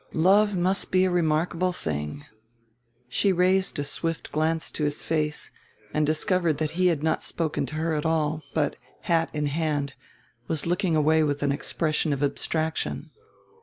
"Love must be a remarkable thing." She raised a swift glance to his face and discovered that he had not spoken to her at all, but, hat in hand, was looking away with an expression of abstraction.